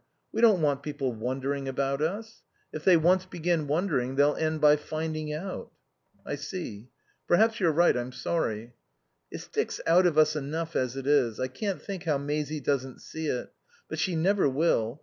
We don't want people wondering about us. If they once begin wondering they'll end by finding out." "I see. Perhaps you're right. I'm sorry." "It sticks out of us enough as it is. I can't think how Maisie doesn't see it. But she never will.